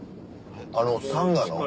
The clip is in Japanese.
あのサンガの？